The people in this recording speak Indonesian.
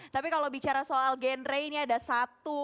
tapi kalau bicara soal genre ini ada satu